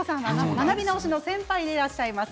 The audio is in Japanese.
学び直しの先輩でいらっしゃいます。